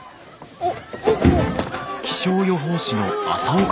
あっ！